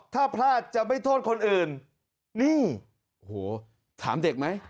ถ้าพลาดจะไม่โทษคนอื่นนี่โอ้โหถามเด็กไหม